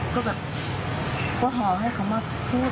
ก็แบบก็ขอให้เขามาพูด